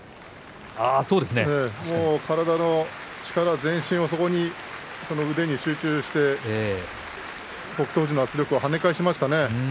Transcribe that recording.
体の力、全身をそこに腕に集中して北勝富士の圧力を跳ね返しましたね。